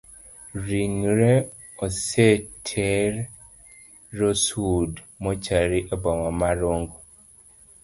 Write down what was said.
Ringre oseter rosewood mochari eboma ma rongo.